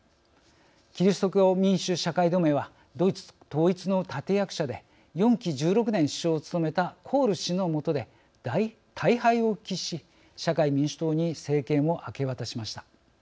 キリスト教民主社会同盟はドイツ統一の立て役者で４期１６年首相を務めたコール氏のもとで大敗を喫し社会民主党に政権を明け渡しました。